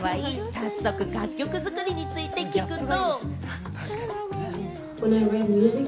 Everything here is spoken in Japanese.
早速、楽曲作りについて聞くと。